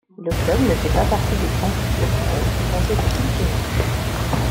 Le club ne fait pas partie des principaux clubs du comté de Kilkenny.